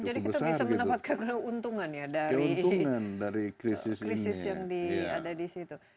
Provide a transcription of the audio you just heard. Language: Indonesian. jadi kita bisa mendapatkan keuntungan ya dari krisis yang ada di situ